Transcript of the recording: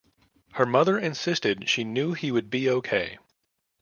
Her mother insisted she knew he would be okay.